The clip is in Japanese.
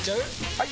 ・はい！